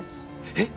えっ？